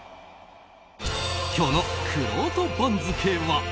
今日のくろうと番付は。